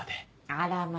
あらま。